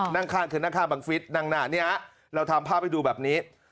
นั่งข้างภพฟิศสรุปนั่งหน้านี้เราทำภาพให้ดูแบบนี้